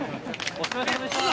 お疲れさまでした！